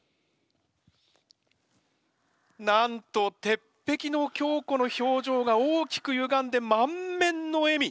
なんと鉄壁の強子の表情が大きくゆがんで満面の笑み。